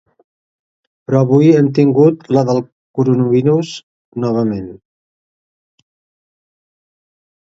Però avui hem tingut la del coronavirus novament.